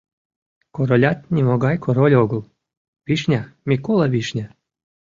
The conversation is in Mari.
Королят нимогай Король огыл, Вишня, Микола Вишня.